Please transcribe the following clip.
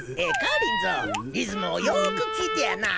リズムをよく聴いてやなあ。